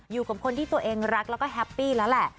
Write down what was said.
อยู่กับคนที่ตัวเองรักแล้วก็แฮปปี้แล้วแหละ